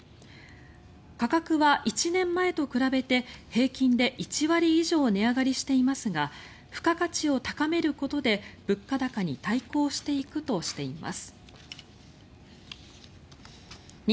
価格は１年前と比べて平均で１割以上値上がりしていますが付加価値を高めることで物価高に対抗していくとしています。